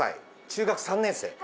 中学３年生？